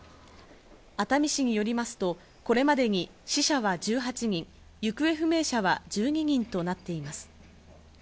熱海市によりますと、これまでに死者は１８人、行方不明者は１２人となっています。